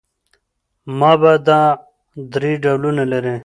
مبتداء درې ډولونه لري.